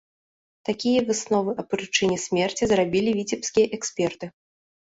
Такія высновы аб прычыне смерці зрабілі віцебскія эксперты.